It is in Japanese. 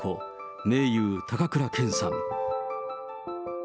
名優、高倉健さん。